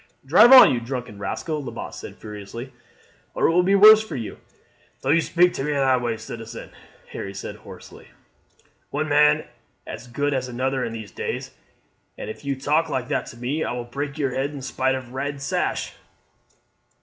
"Drive on, you drunken rascal," Lebat said furiously, "or it will be worse for you." "Don't you speak in that way to me, citizen," Harry said hoarsely. "One man's as good as another in these days, and if you talk like that to me I will break your head in spite of your red sash."